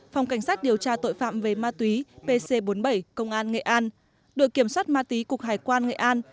phòng cảnh sát điều tra tội phạm về ma túy pc bốn mươi bảy công an nghệ an đội kiểm soát ma túy cục hải quan nghệ an